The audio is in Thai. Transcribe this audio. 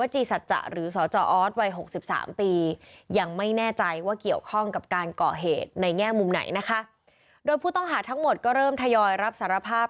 การเกาะเหตุในแง่มุมไหนนะคะโดยผู้ต้องหาทั้งหมดก็เริ่มทยอยรับสารภาพ